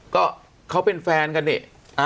ก็เขาเป็นแฟนกันนี่